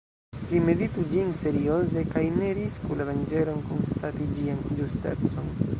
Primeditu ĝin serioze, kaj ne risku la danĝeron, konstati ĝian ĝustecon.